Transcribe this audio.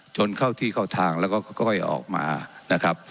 จนเข้าที่เข้าทางแล้วก็ค่อยออกมานะครับ